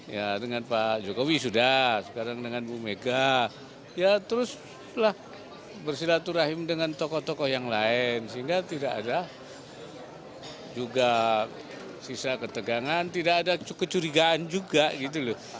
ya dengan pak jokowi sudah sekarang dengan bu mega ya teruslah bersilaturahim dengan tokoh tokoh yang lain sehingga tidak ada juga sisa ketegangan tidak ada kecurigaan juga gitu loh